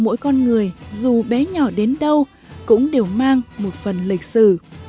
mỗi con người dù bé nhỏ đến đâu cũng đều mang một phần lịch sử